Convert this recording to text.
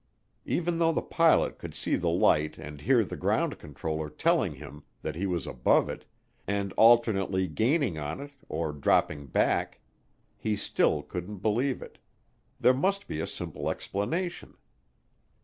Even though the pilot could see the light and hear the ground controller telling him that he was above it, and alternately gaining on it or dropping back, he still couldn't believe it there must be a simple explanation.